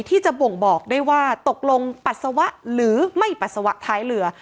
ที่จะบ่งบอกได้ว่าตกลงปัสสาวะหรือไม่ปัสสาวะท้ายเรือ